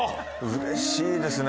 うれしいですね。